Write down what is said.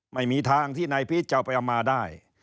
ไม่มีทางที่นายพีชจะเอาไปเอามาได้